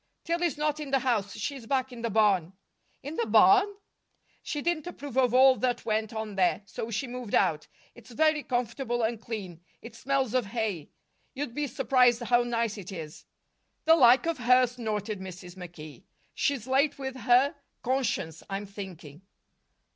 "Tillie's not in the house. She's back in the barn." "In the barn!" "She didn't approve of all that went on there, so she moved out. It's very comfortable and clean; it smells of hay. You'd be surprised how nice it is." "The like of her!" snorted Mrs. McKee. "She's late with her conscience, I'm thinking."